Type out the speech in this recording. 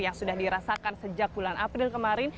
yang sudah dirasakan sejak bulan april kemarin